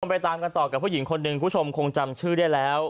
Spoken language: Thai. ไปตามกันต่อกับผู้หญิงคนหนึ่งคุณผู้ชมคงจำชื่อได้แล้ว